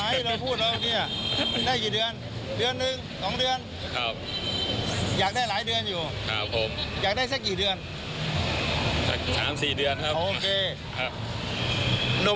อยู่ครับผมอยากได้สักกี่เดือนสักสามสี่เดือนครับโอเคครับ